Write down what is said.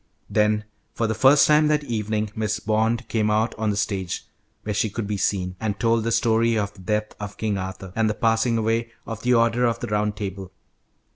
Then for the first time that evening Miss Bond came out on the stage where she could be seen, and told the story of the death of King Arthur, and the passing away of the order of the Round Table.